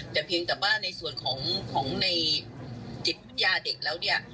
แต่เพียงแต่ว่าในส่วนของในจิตวิทยาเด็กแล้วเนี่ย